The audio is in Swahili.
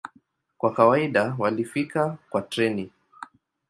Kwa kawaida walifika kwa treni.